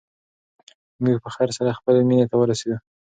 موږ په خیر سره خپلې مېنې ته ورسېدو.